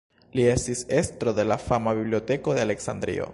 Li estis estro de la fama Biblioteko de Aleksandrio.